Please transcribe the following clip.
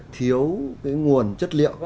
thiếu cái nguồn chất liệu